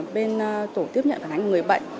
bên tổ tiếp nhận khoản ánh người bệnh